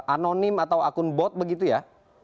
anonim atau akun bot begitu ya